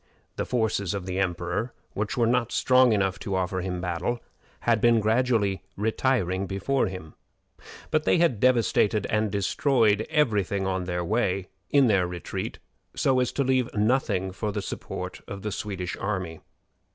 The forces of the emperor, which were not strong enough to offer him battle, had been gradually retiring before him; but they had devastated and destroyed every thing on their way, in their retreat, so as to leave nothing for the support of the Swedish army.